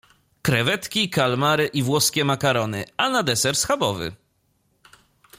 Krewetki, kalmary i włoskie makarony a na deser schabowy.